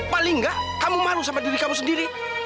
paling nggak kamu malu sama diri kamu sendiri